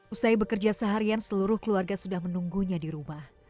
usai bekerja seharian seluruh keluarga sudah menunggunya di rumah